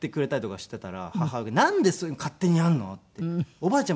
おばあちゃん